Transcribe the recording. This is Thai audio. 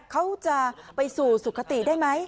เขาจะไปสู่สุขติได้ไหม